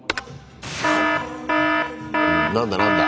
何だ何だ？